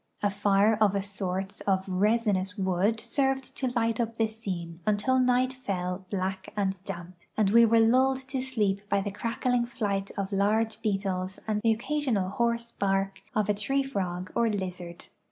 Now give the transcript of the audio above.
A fire of a sort of resinous wood served to light up the scene until night fell black and damp, and we were lulled to sleep by the crackling flight of large beetles and the occasional hoarse bark of a tree frog or lizard.